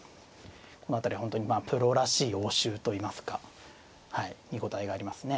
この辺りは本当にプロらしい応酬といいますか見応えがありますね。